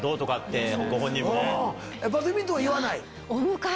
バドミントンは言わない？